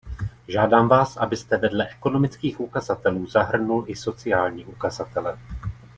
Žádám vás, abyste vedle ekonomických ukazatelů zahrnul i sociální ukazatele.